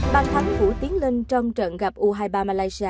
bàn thắng của tiến linh trong trận gặp u hai mươi ba malaysia